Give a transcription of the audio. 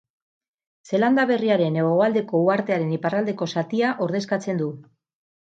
Zeelanda Berriaren hegoaldeko uhartearen iparraldeko zatia ordezkatzen du.